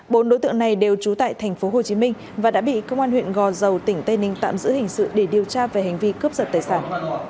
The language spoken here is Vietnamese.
bốn đối tượng này đều trú tại tp hcm và đã bị công an huyện gò dầu tỉnh tây ninh tạm giữ hình sự để điều tra về hành vi cướp giật tài sản